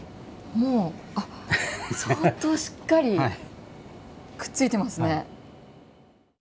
もう相当しっかりくっついてますね。